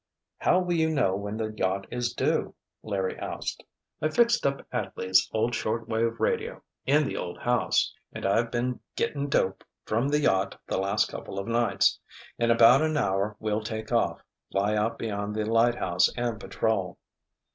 "How will you know when the yacht is due?" Larry asked. "I fixed up Atley's old short wave radio, in the old house—and I've been getting dope from the yacht the last couple of nights. In about an hour we'll take off, fly out beyond the lighthouse and patrol."